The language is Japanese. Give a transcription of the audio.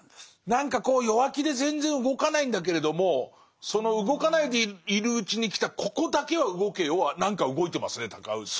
何か弱気で全然動かないんだけれどもその動かないでいるうちに来たここだけは動けよは何か動いてますね尊氏。